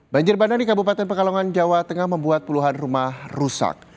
banjir bandang di kabupaten pekalongan jawa tengah membuat puluhan rumah rusak